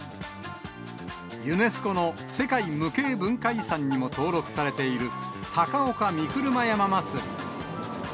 ユネスコの世界無形文化遺産にも登録されている高岡御車山祭。